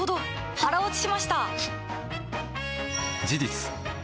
腹落ちしました！